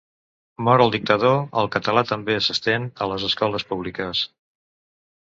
Mort el dictador, el català també s'estén a les escoles públiques.